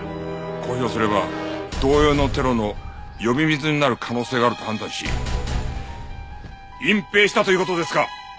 公表すれば同様のテロの呼び水になる可能性があると判断し隠蔽したという事ですか？